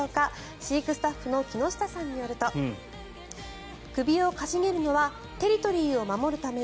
飼育スタッフの木下さんによりますと首を傾げるのはテリトリーを守るための